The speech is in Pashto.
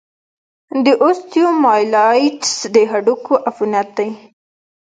د اوسټیومایلايټس د هډوکو عفونت دی.